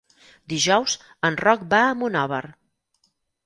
Dijous en Roc va a Monòver.